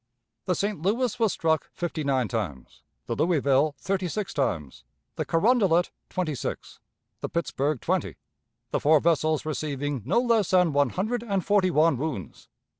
The St. Louis was struck fifty nine times, the Louisville thirty six times, the Carondelet twenty six, the Pittsburg twenty, the four vessels receiving no less than one hundred and forty one wounds.